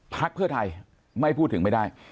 พักเพื่อไทยไม่พูดถึงไม่ได้